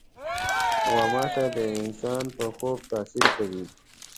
غوماشې د انسان پر خوب تاثیر کوي.